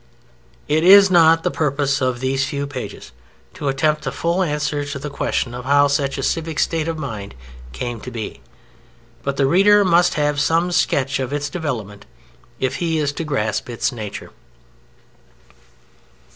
It is not the purpose of these few pages to attempt a full answer to the question of how such a civic state of mind came to be, but the reader must have some sketch of its development if he is to grasp its nature.